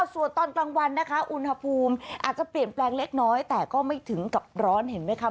ส่วนตอนกลางวันนะคะอุณหภูมิอาจจะเปลี่ยนแปลงเล็กน้อยแต่ก็ไม่ถึงกับร้อนเห็นไหมคะ